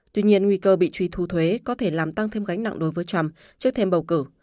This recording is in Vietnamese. tuy nhiên nguy cơ bị truy thu thuế có thể làm tăng thêm gánh nặng đối với trump trước thêm bầu cử